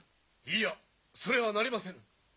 いいやそれはなりませぬ！